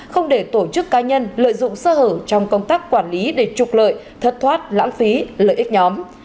không để tổ chức cá nhân lợi dụng sơ hở trong công tác quản lý để trục lợi thất thoát lãng phí lợi ích nhóm